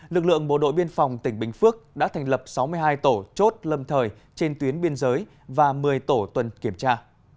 lực lượng bộ đội biên phòng tỉnh bình phước đã thành lập sáu mươi hai tổ chốt lâm thời trên tuyến biên giới và một mươi tổ tuần kiểm tra